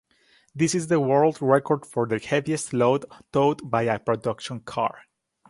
This is the world record for the heaviest load towed by a production car.